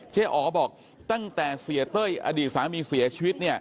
อ๋อบอกตั้งแต่เสียเต้ยอดีตสามีเสียชีวิตเนี่ย